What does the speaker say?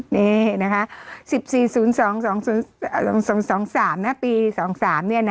นี่นะคะ๑๔๐๒๒๓นะปี๒๓เนี่ยนะ